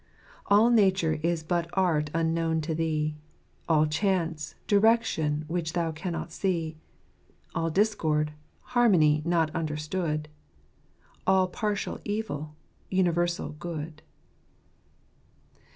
i 41 All nature is but art unknown to thee ;# All chance, direction which thou canst not see ; j AH discord, harmony not understood ; All partial evil, universal good."